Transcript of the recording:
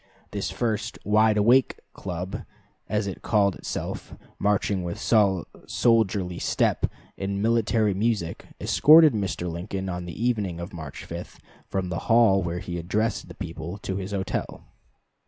This first "Wide Awake" Club, as it called itself, marching with soldierly step, and military music, escorted Mr. Lincoln, on the evening of March 5, from the hall where he addressed the people, to his hotel.